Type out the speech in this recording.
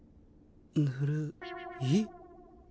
ぬるい。